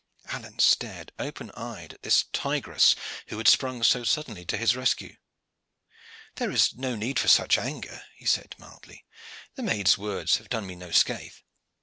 Alleyne stared open eyed at this tigress who had sprung so suddenly to his rescue. "There is no need for such anger," he said mildly. "The maid's words have done me no scath.